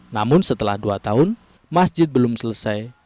namun setelah dua tahun masjid belum selesai